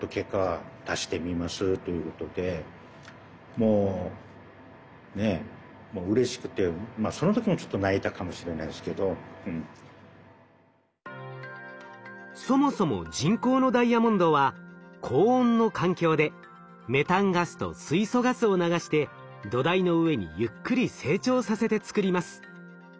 もうねそもそも人工のダイヤモンドは高温の環境でメタンガスと水素ガスを流して土台の上にゆっくり成長させてつくります。